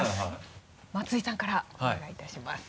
松井さんからお願いいたします。